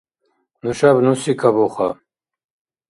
Нушаб нуси кабуха.